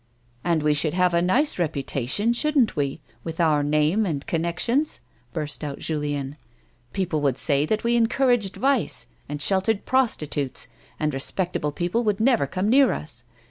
" And we should have a nice reputation, shouldn't we, with our name and connections 1 " burst out Julien. "People would say that we encouraged vice, and sheltered prostitutes, and respectable people would never come near us.